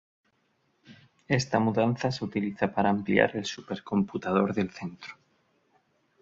Esta mudanza se utiliza para ampliar el supercomputador del centro.